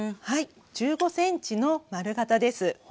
はい１５ｃｍの丸型です。